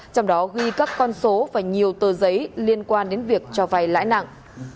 trong đó ghi các con số và nhiều tờ giấy liên quan đến việc cho vay lãi nặng